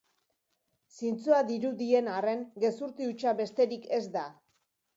Zintzoa dirudien arren, gezurti hutsa besterik ez da.